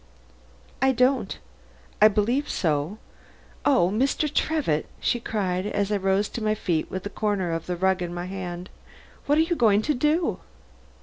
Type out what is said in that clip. "I don't. I believe so oh, Mr. Trevitt," she cried, as I rose to my feet with the corner of the rug in my hand, "what are you going to do?"